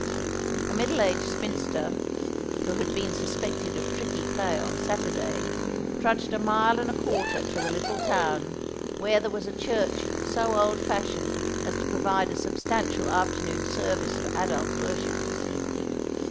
A middle aged spinster, who had been suspected of tricky play on Saturday, trudged a mile and a quarter to the little town where there was a church so old fashioned as to provide a substantial afternoon service for adult worshippers.